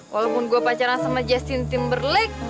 walaupun gue pacaran sama justin timberlake